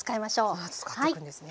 このあと使っていくんですね。